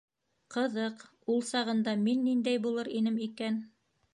Ҡыҙыҡ, ул сағында мин ниндәй булыр инем икән?